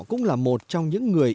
cũng là một trong những người